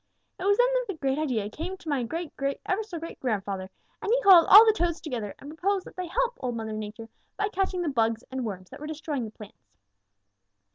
It was then that the great idea came to my great great ever so great grandfather, and he called all the Toads together and proposed that they help Old Mother Nature by catching the bugs and worms that were destroying the plants.